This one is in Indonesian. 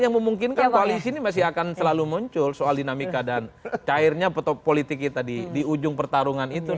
yang memungkinkan koalisi ini masih akan selalu muncul soal dinamika dan cairnya politik kita di ujung pertarungan itu